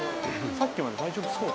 さっきまで大丈夫そう。